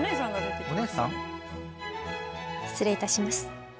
失礼いたします。